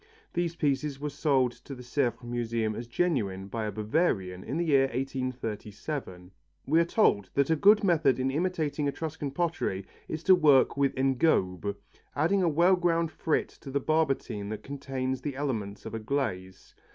These pieces were sold to the Sèvres Museum as genuine, by a Bavarian, in the year 1837. We are told that a good method in imitating Etruscan pottery is to work with engobe, adding a well ground frit to the barbotine that contains the elements of a glaze.